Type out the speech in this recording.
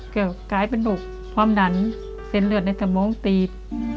ก็กลายเป็นโรคความดันเส้นเลือดในสมองตีบ